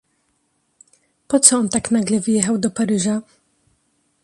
"...Poco on tak nagle wyjechał do Paryża?..."